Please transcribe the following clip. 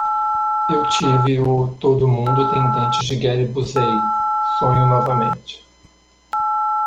Eu tive o "todo mundo tem dentes de Gary Busey" sonho novamente.